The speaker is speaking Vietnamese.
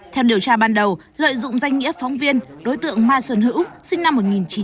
theo điều tra ban đầu lợi dụng danh nghĩa phóng viên đối tượng mai xuân hữu sinh năm một nghìn chín trăm tám mươi